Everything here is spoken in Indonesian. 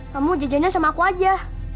kamu jajannya sama aku aja